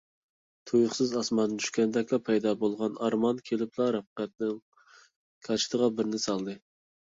تۇيۇقسىز ئاسماندىن چۈشكەندەكلا پەيدا بولغان ئارمان كېلىپلا رەپقەتنىڭ كاچىتىغا بىرنى سالدى.